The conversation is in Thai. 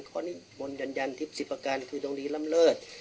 ขอนิมนต์ยันทิพย์สิบประการคือดวงดีล้ำเลิศ